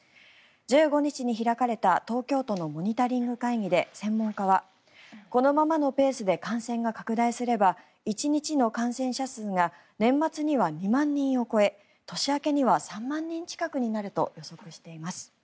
１５日に開かれた東京都のモニタリング会議で専門家は、このままのペースで感染が拡大すれば１日の感染者数が年末には２万人を超え年明けには３万人近くになると予測しています。